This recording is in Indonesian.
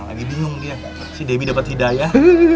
lagi bingung dia si debbie dapat hidayah